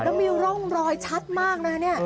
แล้วมีร่องรอยชัดมากนะเนี่ย